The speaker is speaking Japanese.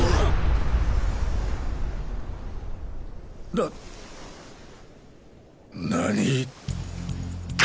な何！？